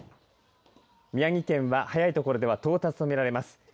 宮城県は早い所では到達とみられます。